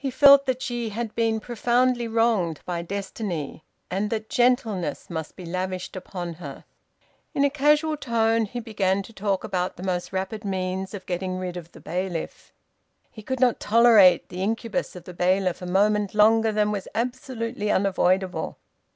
He felt that she had been profoundly wronged by destiny, and that gentleness must be lavished upon her. In a casual tone he began to talk about the most rapid means of getting rid of the bailiff. He could not tolerate the incubus of the bailiff a moment longer than was absolutely unavoidable.